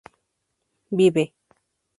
vive